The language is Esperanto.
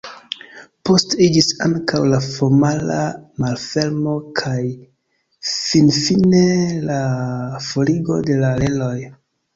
Poste iĝis ankaŭ la formala malfermo kaj finfine la forigo de la reloj.